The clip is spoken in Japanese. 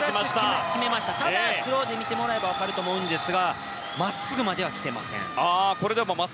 ただスローで見ると分かるんですが真っすぐまでは来ていません。